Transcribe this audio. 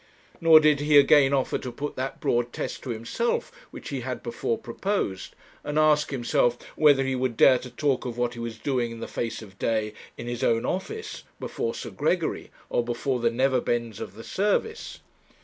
Nor did he again offer to put that broad test to himself which he had before proposed, and ask himself whether he would dare to talk of what he was doing in the face of day, in his own office, before Sir Gregory, or before the Neverbends of the Service.